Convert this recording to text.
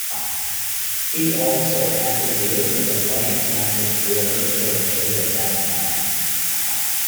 He also had to deal with the Bloody Kansas border skirmishes of that time.